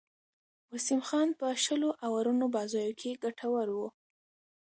وسیم خان په شلو آورونو بازيو کښي ګټور وو.